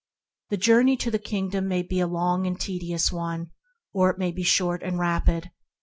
The journey to the Kingdom may be a long and tedious one, or it may be short and rapid.